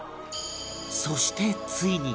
そしてついに